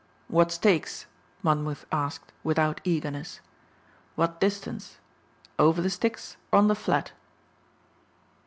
"What stakes?" Monmouth asked, without eagerness. "What distance? Over the sticks or on the flat?"